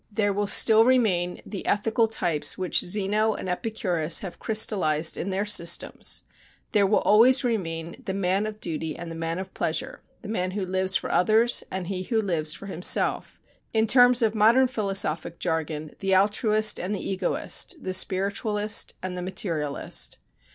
there will still remain the ethical types which Zeno and Epicurus have crystallized in their systems there will always remain the man of duty and the man of pleasure, the man who lives for others and he who lives for himself, in terms of modern philosophic jargon, the Altruist and the Egoist, the Spiritualist and the Materialist."